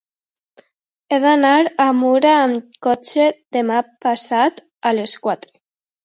He d'anar a Mura amb cotxe demà passat a les quatre.